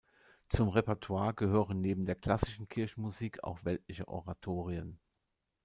Zum Repertoire gehören neben der klassischen Kirchenmusik auch weltliche Oratorien.